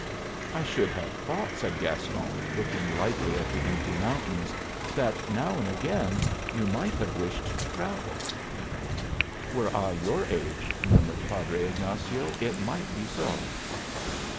"I should have thought," said Gaston, looking lightly at the empty mountains, "that now and again you might have wished to travel." "Were I your age," murmured Padre Ignazio, "it might be so."